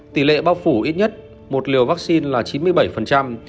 tỷ lệ bao phủ ít nhất một liều vaccine là chín mươi bảy